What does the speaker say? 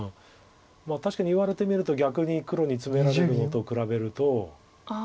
確かに言われてみると逆に黒にツメられるのと比べると。